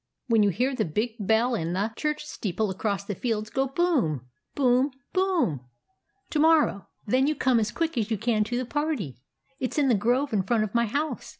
When you hear the big bell in the church steeple across the fields go boom ! boom ! boom ! to morrow, then you come as quick as you can to the party. It 's in the grove in front of my house.